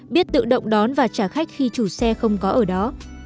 biết tự động đón và trả khách khi chủ xe không có ở đó